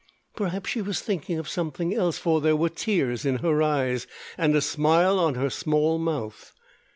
Perhaps she was thinking of something else, for there were tears in her eyes and a smile on her small mouth.